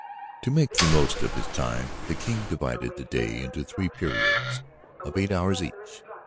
To make the most of his time, the King divided the day into three periods of eight hours each.